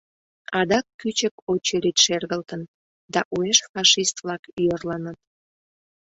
Адак кӱчык очередь шергылтын, да уэш фашист-влак йӧрлыныт.